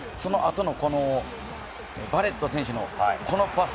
その後のバレット選手のこのパス。